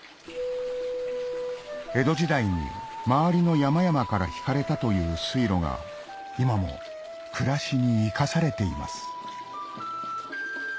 江戸時代に周りの山々から引かれたという水路が今も暮らしに生かされています